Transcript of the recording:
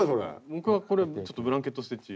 僕はこれちょっとブランケットステッチ。